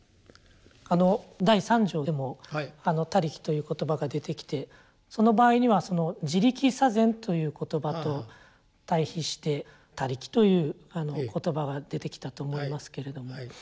あの第三条でも「他力」という言葉が出てきてその場合には「自力作善」という言葉と対比して「他力」という言葉が出てきたと思いますけれども。